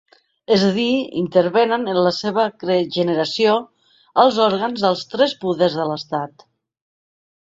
És a dir, intervenen en la seva generació els òrgans dels tres poders de l'Estat.